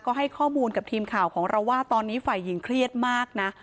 ก็ให้ข้อมูลกับทีมข่าวของเราว่าตอนนี้ฝ่ายหญิงเครียดมากนะ